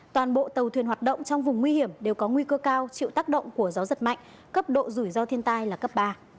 toàn bộ tàu thuyền hoạt động trong vùng nguy hiểm đều có nguy cơ cao chịu tác động của gió giật mạnh cấp độ rủi ro thiên tai là cấp ba